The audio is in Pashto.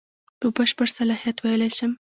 په بشپړ صلاحیت ویلای شم.